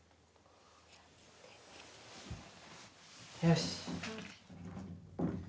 よし。